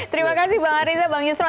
terima kasih banyak bang arissa bang yusron